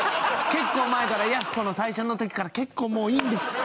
結構前から、「ヤッホー」の最初のときから、結構もういいんです。